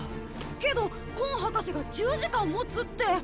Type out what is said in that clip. けどコン博士が１０時間もつって！